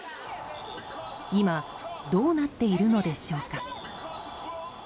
今どうなっているのでしょうか。